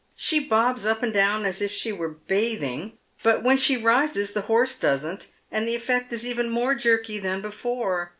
She bobs up and down as if she were bathing, but when she rises the horse doesn't, and the effect is even more jerky than before.